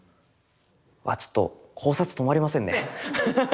わっちょっと考察止まりませんね。